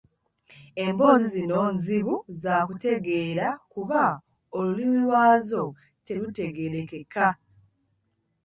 Emboozi zino nzibu zakutegeera kuba olulimi lwazo terutegeerekeka